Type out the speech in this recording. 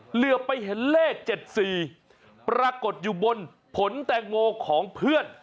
เหลือไปเห็นเลข๗๔ปรากฏอยู่บนผลแตงโมของเพื่อน